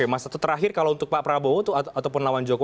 mas terakhir kalau untuk pak prabowo